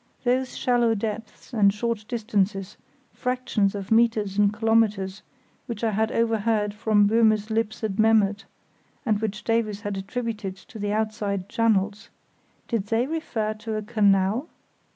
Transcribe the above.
Those shallow depths and short distances, fractions of metres and kilometres, which I had overheard from Böhme's lips at Memmert, and which Davies had attributed to the outside channels—did they refer to a canal?